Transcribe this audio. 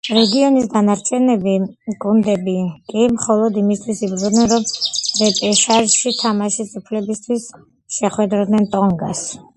რეგიონის დანარჩები გუნდები კი მხოლოდ იმისათვის იბრძოდნენ, რომ რეპეშაჟში თამაშის უფლებისათვის შეხვედროდნენ ტონგას.